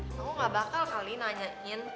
aku gak bakal kali nanyain